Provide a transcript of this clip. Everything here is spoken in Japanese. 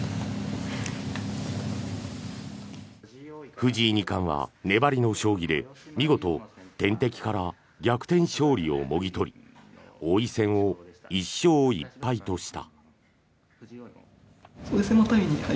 藤井二冠は粘りの将棋で見事、天敵から逆転勝利をもぎ取り王位戦を１勝１敗とした。